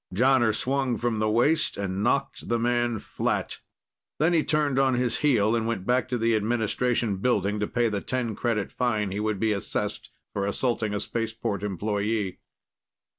Jonner swung from the waist and knocked the man flat. Then he turned on his heel and went back to the administration building to pay the 10 credit fine he would be assessed for assaulting a spaceport employee.